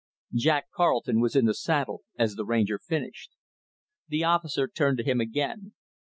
Jack Carleton was in the saddle as the Ranger finished The officer turned to him again.